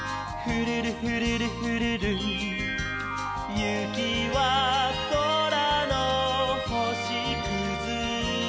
「ゆきはそらのほしくず」